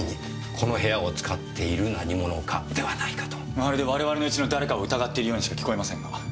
まるで我々のうちの誰かを疑っているようにしか聞こえませんが。